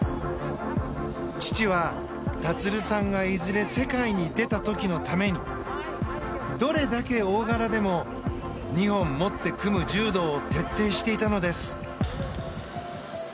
父は、立さんがいずれ世界に出た時のためにどれだけ大柄でも二本持って組む柔道を徹底していたのです。